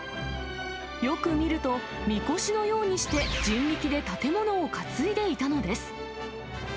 よく見ると、みこしのようにして人力で建物を担いでいたのです。